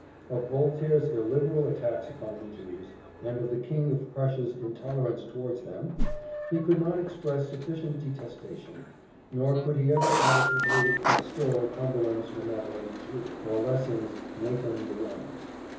Of Voltaire's illiberal attacks upon the Jews, and of the King of Prussia's intolerance towards them, he could not express sufficient detestation; nor could he ever adequately extol Cumberland's benevolent "Jew," or Lessing's "Nathan the Wise."